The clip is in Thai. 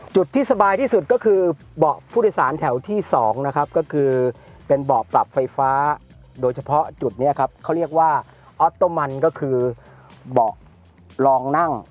ที่สบายที่สุดก็คือเบาะผู้โดยสารแถวที่๒นะครับก็คือเป็นเบาะปรับไฟฟ้าโดยเฉพาะจุดนี้ครับเขาเรียกว่าออโตมันก็คือเบาะลองนั่ง